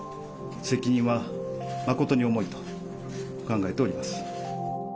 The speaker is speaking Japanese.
責任は誠に重いと考えております。